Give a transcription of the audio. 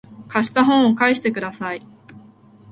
貸した本を返してください